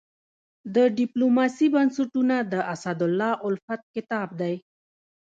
د ډيپلوماسي بنسټونه د اسدالله الفت کتاب دی.